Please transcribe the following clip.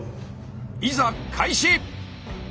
いざ開始！